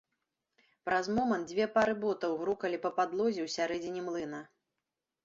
Праз момант дзве пары ботаў грукалі па падлозе ў сярэдзіне млына.